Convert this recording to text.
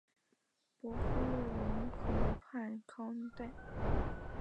伯夫龙河畔康代。